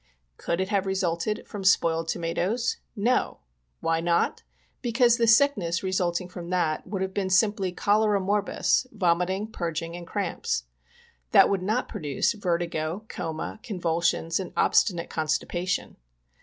Could it have resulted from spoiled tomatoes ? No ! why not ? because the sick ness resulting from that would have been simply cholera morbus^ vomiting, purging and cramps. That would not produce vertigo, coma, convulsions and obstinate constipa tion.